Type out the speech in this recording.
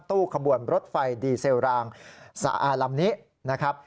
ตู้ขบวนรถไฟดีเซลรางสะอาลำนี้นะครับ